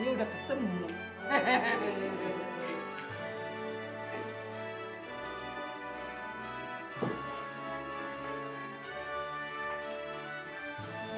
ibu sudah dipecat